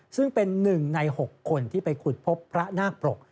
ซึ่งเป็น๑ใน๖คนที่ไปขุดพบพระนาคปรก